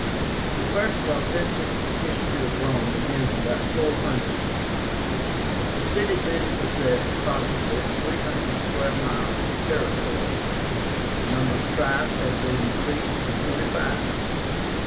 The first authentic history of Rome begins about 400. The city then possessed, possibly, three hundred square miles of territory. The number of tribes had been increased to twenty five.